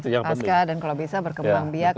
yang penting dan kalau bisa berkembang biak